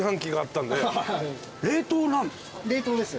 冷凍なんですか？